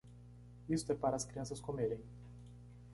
Isto é para as crianças comerem.